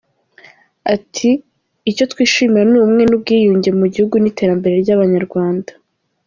Ati “ icyo twishimira ni ubumwe n’ubwiyunge mu gihugu n’iterambere ry’abanyarwanda.